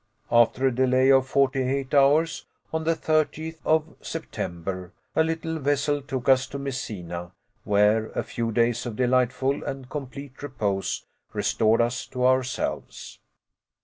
After a delay of forty eight hours, on the 30th of September a little vessel took us to Messina, where a few days of delightful and complete repose restored us to ourselves.